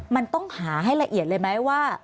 มันต้องหาให้ละเอียดเลยไหมว่า